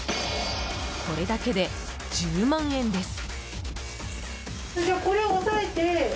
これだけで１０万円です。